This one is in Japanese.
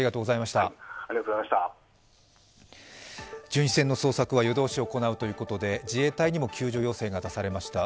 巡視船の捜索は夜通し行うということで自衛隊にも救助要請が出されました。